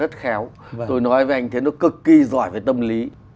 thì nó cực kỳ giỏi về tâm lý